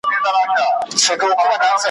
محتسب مړ وي سیوری یې نه وي ,